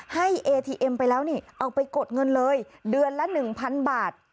ให้เอทีเอ็มไปแล้วนี่เอาไปกดเงินเลยเดือนละหนึ่งพันบาท